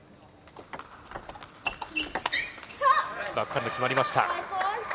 バックハンド、決まりました。